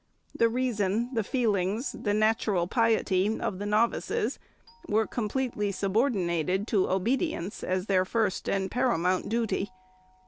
The reason, the feelings, the natural piety of the novices were completely subordinated to obedience as their first and paramount duty.